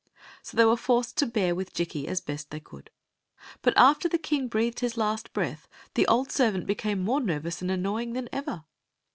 Sj they were forced to bear wiA Jikki as best they could ; but after the king breadied his ki^ breath the old servant became more nervous and annoying than ever.